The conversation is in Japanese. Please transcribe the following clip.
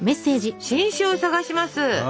「新種を探します」。